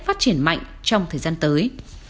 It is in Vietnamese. phát triển mạnh trong thời gian tới